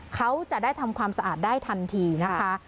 เขาจะได้ทำความสะอาดได้ทันทีนะคะ